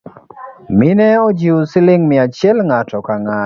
Mine ochiu siling’ mia achiel ng’ato kang’ato